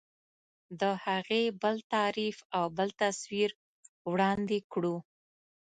د هغې بل تعریف او بل تصویر وړاندې کړو.